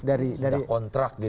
sudah kontrak gitu ya